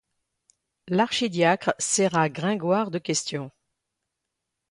L'archidiacre serra Gringoire de questions.